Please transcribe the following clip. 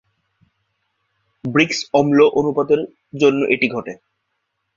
ব্রিক্স-অম্ল অনুপাতের জন্য এটি ঘটে।